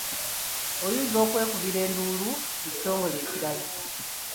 Oyinza okwekubira enduulu mu kitongole ekirala.